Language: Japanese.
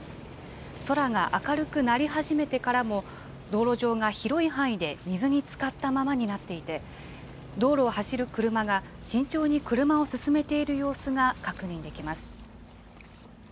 空が明るくなり始めてからも、道路上が広い範囲で水につかったままになっていて、道路を走る車が慎重に車を進めている様子が確認できます。